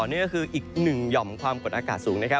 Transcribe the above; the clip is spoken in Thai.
นี่ก็คืออีกหนึ่งหย่อมความกดอากาศสูงนะครับ